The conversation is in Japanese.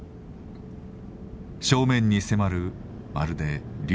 正面に迫るまるで竜